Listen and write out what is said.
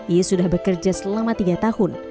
ia sudah bekerja selama tiga tahun